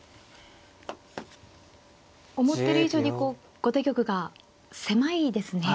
思ってる以上に後手玉が狭いですね。